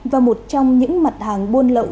và một trong những mặt hàng buôn lậu